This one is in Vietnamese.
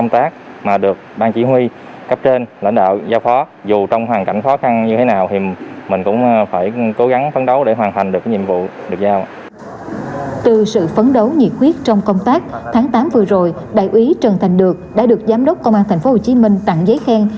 từ sự phấn đấu nhiệt huyết trong công tác tháng tám vừa rồi đại úy trần thành được đã được giám đốc công an tp hcm tặng giấy khen